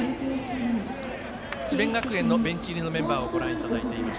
智弁学園のベンチ入りのメンバーをご紹介しています。